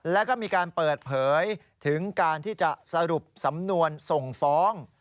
แล้วก็มีการเปิดเผยถึงการที่จะสรุปสำนวนส่งฟ้อง